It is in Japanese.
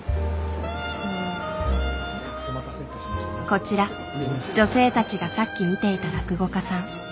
こちら女性たちがさっき見ていた落語家さん。